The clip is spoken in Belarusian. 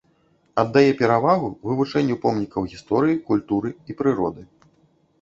Аддае перавагу вывучэнню помнікаў гісторыі, культуры і прыроды.